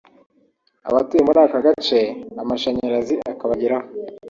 abatuye muri aka gace amashanyarazi akabageraho